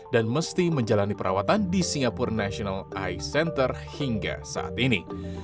dan mesti menjalani perawatan di singapore national eye center hingga saat ini